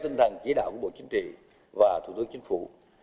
chúng tôi chân thành chỉ đạo của bộ chính trị và thủ tướng chính phủ